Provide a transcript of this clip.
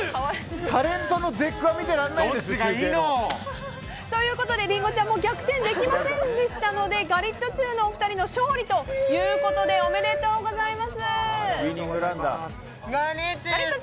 タレントの絶句は見てられないです！ということで、りんごちゃん逆転できませんでしたのでガリットチュウのお二人の勝利ということでウイニングランだ。